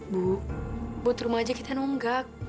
bu buat rumah aja kita nonggak